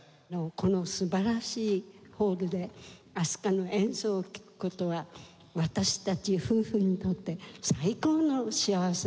この素晴らしいホールであすかの演奏を聴く事は私たち夫婦にとって最高の幸せです。